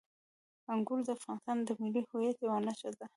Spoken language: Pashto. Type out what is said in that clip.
انګور د افغانستان د ملي هویت یوه نښه ده.